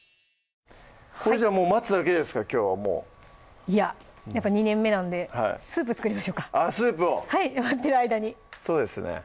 それじゃあもう待つだけですかきょうはもういややっぱ２年目なんでスープ作りましょうかあっスープを待ってる間にそうですね